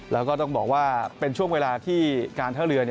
แล้วก็ต้องบอกว่าเป็นช่วงเวลาที่การท่าเรือ